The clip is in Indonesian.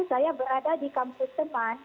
saya berada di kampus teman